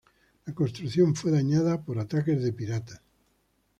La construcción fue dañada por ataques de piratas.